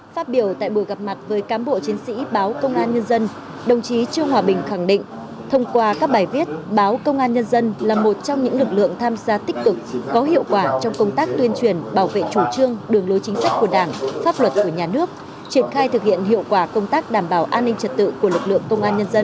phát biểu tại buổi gặp mặt với cám bộ chiến sĩ báo công an nhân dân đồng chí trương hòa bình khẳng định thông qua các bài viết báo công an nhân dân là một trong những lực lượng tham gia tích cực có hiệu quả trong công tác tuyên truyền bảo vệ chủ trương đường lối chính sách của đảng pháp luật của nhà nước triển khai thực hiện hiệu quả công tác đảm bảo an ninh trật tự của lực lượng công an nhân dân